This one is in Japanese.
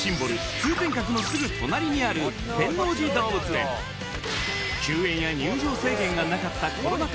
通天閣のすぐ隣にある休園や入場制限がなかったコロナ禍